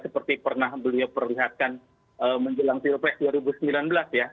seperti pernah beliau perlihatkan menjelang pilpres dua ribu sembilan belas ya